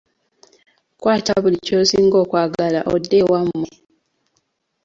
Kwata buli ky'osinga okwagala odde ewammwe.